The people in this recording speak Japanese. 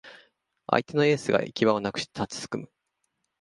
相手のエースが行き場をなくして立ちすくむ